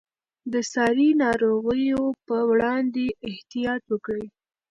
د ساري ناروغیو پر وړاندې احتیاط وکړئ.